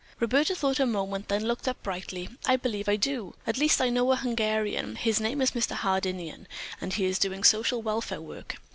Roberta thought a moment, then looked up brightly. "I believe I do. At least I know a Hungarian. His name is Mr. Hardinian and he is doing social welfare work.